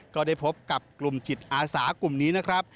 ก็ได้พบกับกลุ่มจิตอาสากลุ่มนี้นะครับ